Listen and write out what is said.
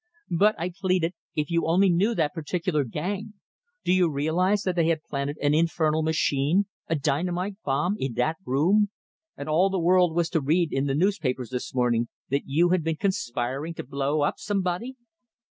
"But," I pleaded, "if you only knew that particular gang! Do you realize that they had planted an infernal machine, a dynamite bomb, in that room? And all the world was to read in the newspapers this morning that you had been conspiring to blow up somebody!"